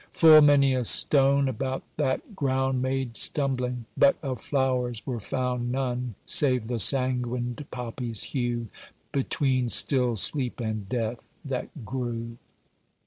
Full many a stone about that ground Made stumbling, but of flowers were found None save the sanguined poppy's hue Between still sleep and death that grew.